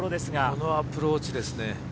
このアプローチですね。